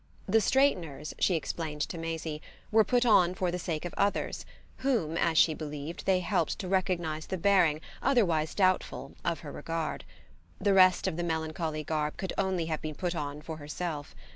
The straighteners, she explained to Maisie, were put on for the sake of others, whom, as she believed, they helped to recognise the bearing, otherwise doubtful, of her regard; the rest of the melancholy garb could only have been put on for herself.